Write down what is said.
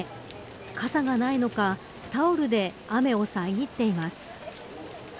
傘がないのかタオルで雨を遮っています。